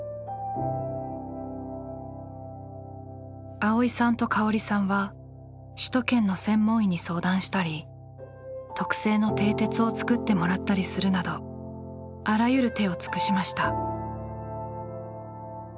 蒼依さんと香織さんは首都圏の専門医に相談したり特製のてい鉄を作ってもらったりするなどあらゆる手を尽くしました。